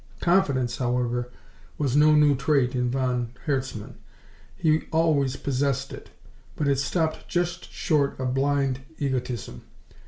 Confidence, however, was no new trait in von Herzmann. He always possessed it, but it stopped just short of blind egotism.